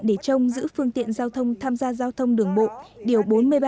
để trông giữ phương tiện giao thông tham gia giao thông đường bộ điều bốn mươi ba